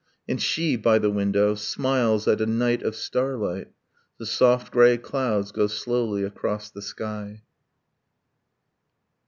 And she, by the window, smiles at a night of starlight. ... The soft grey clouds go slowly across the sky.